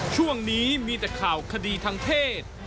ช่วงนี้มีแต่ข่าวคดีทางเพศ